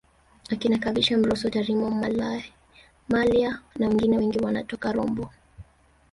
Akina Kavishe Mrosso Tarimo Mallya nawengine wengi wanatoka Rombo